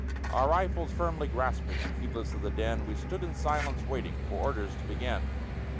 Our rifles firmly grasping, And heedless of the din, We stood in silence waiting For orders to begin.